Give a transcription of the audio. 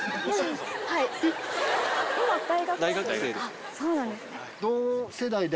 あっそうなんですね。